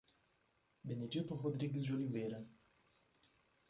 Benedito Rodrigues de Oliveira